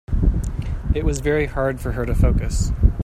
It was very hard for her to focus.